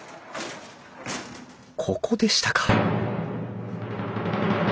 ここでしたか！